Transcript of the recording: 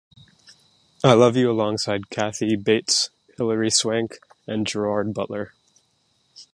I Love You alongside Kathy Bates, Hilary Swank, and Gerard Butler.